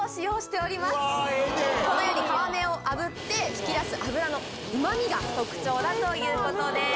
このように皮目をあぶって引き出す脂のうま味が特徴だということです。